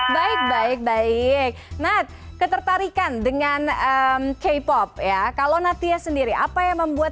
baik baik baik nat ketertarikan dengan k pop ya kalau natia sendiri apa yang membuat